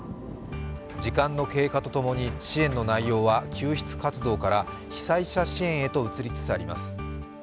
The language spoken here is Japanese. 時間の経過とともに支援の内容は救出活動から被災者支援へと移りつつあります。